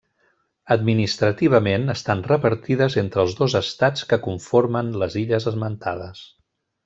Administrativament, estan repartides entre els dos estats que conformen les illes esmentades.